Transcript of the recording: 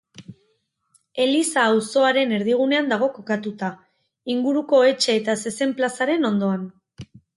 Eliza auzoaren erdigunean dago kokatuta, inguruko etxe eta zezen-plazaren ondoan.